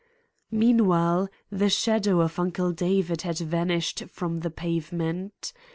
Meanwhile, the shadow of Uncle David had vanished from the pavement.